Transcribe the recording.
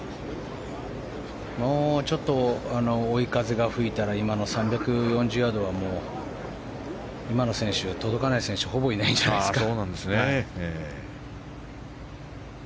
もうちょっと追い風が吹いたら今の３４０ヤードはもう今の選手で届かない選手はほぼいないんじゃないですか。